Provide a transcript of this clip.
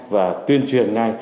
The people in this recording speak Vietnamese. và tuyên truyền ngay